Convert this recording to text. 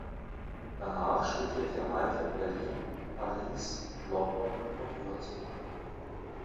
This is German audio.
Danach studierte er weiter in Berlin, Paris, London und Würzburg.